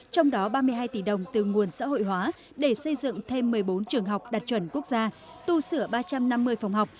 trong đó ba mươi hai tỷ đồng từ nguồn xã hội hóa để xây dựng thêm một mươi bốn trường học đạt chuẩn quốc gia tu sửa ba trăm năm mươi phòng học